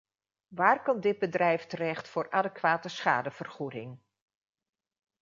Waar kan dit bedrijf terecht voor adequate schadevergoeding.